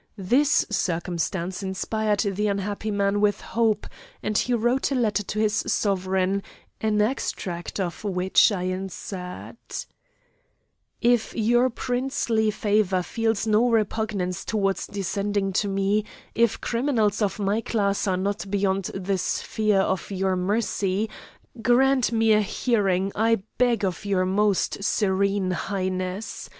This circumstance inspired the unhappy man with hope, and he wrote a letter to his sovereign, an extract of which I insert: "If your princely favour feels no repugnance towards descending to me, if criminals of my class are not beyond the sphere of your mercy, grant me a hearing, I beg of your most serene highness!